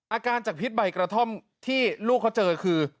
อาการจากพิษใบกระท่อมที่ลูกเขาเจอคือ